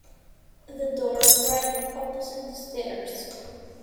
The door right opposite the stairs.